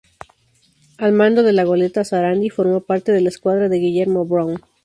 Al mando de la goleta "Sarandí" formó parte de la escuadra de Guillermo Brown.